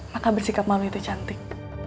maka bersikap malu itu cantik